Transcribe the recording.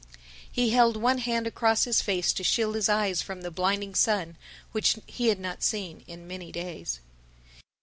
He held one hand across his face to shield his eyes from the blinding sun which he had not seen in many days.